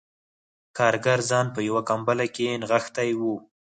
کارګر ځان په یوه کمپله کې نغښتی و